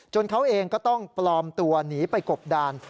เขาเองก็ต้องปลอมตัวหนีไปกบดาน